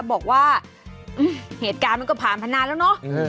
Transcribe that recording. บอกว่าอืมเหตุการณ์มันก็ผ่านพันนานแล้วเนอะอืม